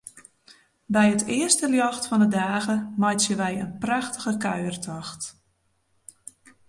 By it earste ljocht fan 'e dage meitsje wy in prachtige kuiertocht.